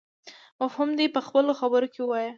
مفهوم دې په خپلو خبرو کې ووایي.